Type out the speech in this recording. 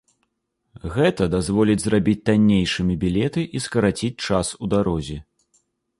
Гэта дазволіць зрабіць таннейшымі білеты і скараціць час у дарозе.